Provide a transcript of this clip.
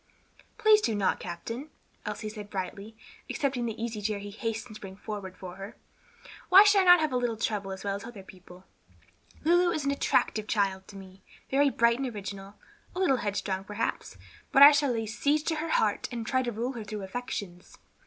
"Please do not, captain," Elsie said brightly, accepting the easy chair he hastened to bring forward for her. "Why should I not have a little trouble as well as other people? Lulu is an attractive child to me, very bright and original, a little headstrong, perhaps, but I shall lay siege to her heart and try to rule her through her affections."